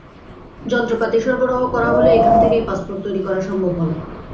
যন্ত্রপাতি সরবরাহ করা হলে এখান থেকেই পাসপোর্ট তৈরি করা সম্ভব হবে।